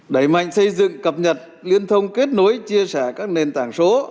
đẩy mạnh xây dựng cập nhật liên thông kết nối chia sẻ các nền tảng số